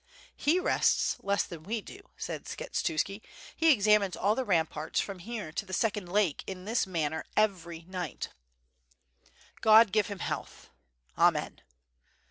"He rests less than we do," said Skshetuski, "he examines all the ramparts from here to the second lake in this manner every nighf "God give him health r "Amen!"